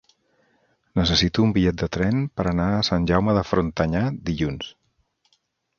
Necessito un bitllet de tren per anar a Sant Jaume de Frontanyà dilluns.